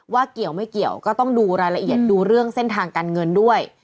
เกี่ยวไม่เกี่ยวก็ต้องดูรายละเอียดดูเรื่องเส้นทางการเงินด้วย